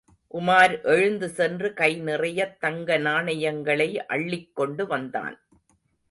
உமார் எழுந்து சென்று கை நிறையத் தங்கநாணயங்களை அள்ளிக் கொண்டு வந்தான்.